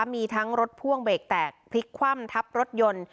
มีทั้งรถพ่วงเบรกแตกพลิกคว่ำทับรถยนต์